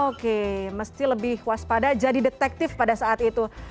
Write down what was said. oke mesti lebih waspada jadi detektif pada saat itu